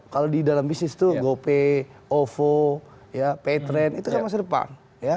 kalau di dalam bisnis itu gopay ovo pay trend itu kan masa depan